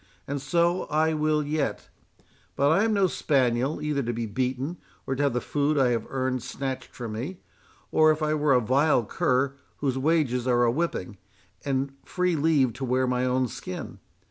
—and so I will yet;—but I am no spaniel, either to be beaten, or to have the food I have earned snatched from me, as if I were a vile cur, whose wages are a whipping, and free leave to wear my own skin.